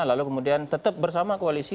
lalu kemudian tetap bersama koalisi